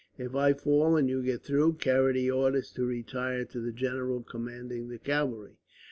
If I fall and you get through, carry the orders to retire to the general commanding the cavalry."